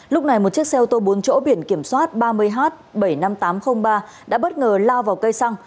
lúc này một chiếc xe ô tô bốn chỗ biển kiểm soát ba mươi h bảy mươi năm nghìn tám trăm linh ba đã bất ngờ lao vào cây xăng